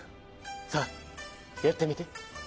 さあやってみて。